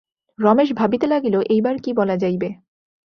রমেশ ভাবিতে লাগিল এইবার কী বলা যাইবে।